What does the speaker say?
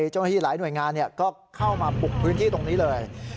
เจ้าหน้าที่หลายหน่วยงานก็เข้ามาปลุกพื้นที่ตรงนี้เลย